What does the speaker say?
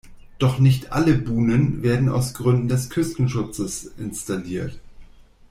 Doch nicht alle Buhnen werden aus Gründen des Küstenschutzes installiert.